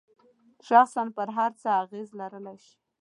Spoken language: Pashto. شخصاً پر هر څه اغیز لرلای شي.